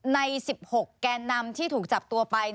ใน๑๖แกนนำที่ถูกจับตัวไป